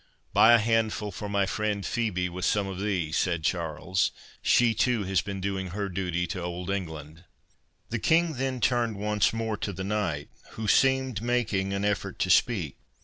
"Buy a handful for my friend Phœbe with some of these," said Charles, "she too has been doing her duty to Old England." The King then turned once more to the knight, who seemed making an effort to speak.